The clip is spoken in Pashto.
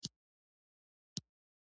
هر وخت کورنۍ تګ راتګ ورسره درلود.